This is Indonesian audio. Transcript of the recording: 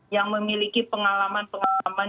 yang memiliki pengalaman pengalaman